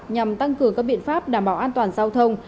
nhằm tăng cường các biện pháp đảm bảo an toàn giao thông